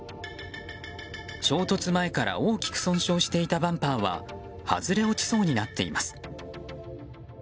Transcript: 衝突前から大きく損傷していたバンパーは外れ落ちそうになっています。